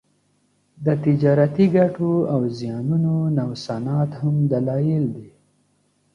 د تجارتي ګټو او زیانونو نوسانات هم دلایل دي